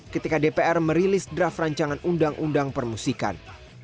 ketika dpr merilis draft rancangan undang undang permusikan